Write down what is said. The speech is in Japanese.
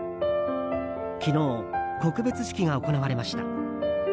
昨日、告別式が行われました。